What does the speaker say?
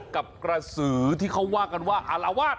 กับกระสือที่เขาว่ากันว่าอารวาส